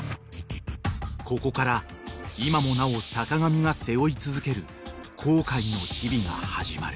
［ここから今もなお坂上が背負い続ける後悔の日々が始まる］